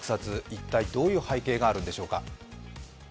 一体どういう背景があるのでしょうか。